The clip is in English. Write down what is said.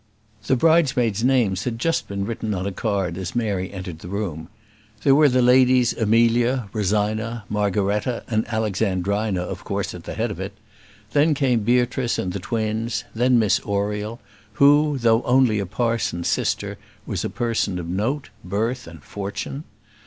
The bridesmaid's names had just been written on a card as Mary entered the room. There were the Ladies Amelia, Rosina, Margaretta, and Alexandrina of course at the head of it; then came Beatrice and the twins; then Miss Oriel, who, though only a parson's sister, was a person of note, birth, and fortune.